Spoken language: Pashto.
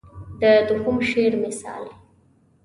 د دوهم شعر مثال.